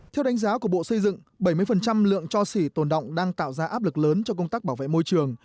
theo đánh giá của bộ xây dựng bảy mươi lượng cho xỉ tồn động đang tạo ra áp lực lớn cho công tác bảo vệ môi trường